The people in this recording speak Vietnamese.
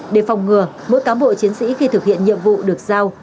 để phòng ngừa mỗi cán bộ chiến sĩ khi thực hiện nhiệm vụ được giao